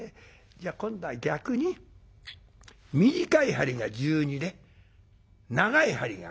じゃあ今度は逆に短い針が１２で長い針が１１。